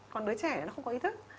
còn đứa trẻ nó không có ý thức